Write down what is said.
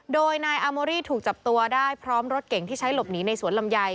โดยนายอาโมรี่ถูกจับตัวได้พร้อมรถเก่งที่ใช้หลบหนีในสวนลำไย